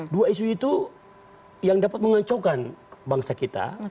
dua isu itu yang dapat mengancaukan bangsa kita